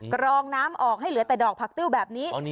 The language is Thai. กรองน้ำออกให้เหลือแต่ดอกผักติ้วแบบนี้